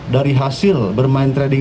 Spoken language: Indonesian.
dari hasil bermain trading